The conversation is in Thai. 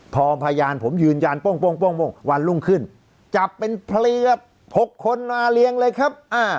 พอพยานผมยืนยันโป้งวันรุ่งขึ้นจับเป็นเพลีย๖คนมาเลี้ยงเลยครับ